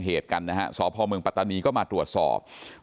เหตุกันนะฮะสพเมืองปัตตานีก็มาตรวจสอบ